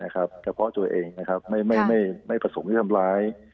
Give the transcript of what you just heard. กระเพาะตัวเองไม่ผสมมุนทำร้าย